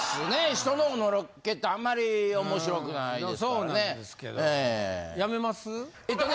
人のおのろけってあんまり面白くないですからね。